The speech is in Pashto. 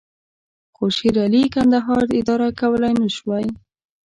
خو شېرعلي کندهار اداره کولای نه شوای.